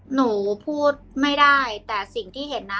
หนูพูดไม่ได้แต่สิ่งที่เห็นน่ะ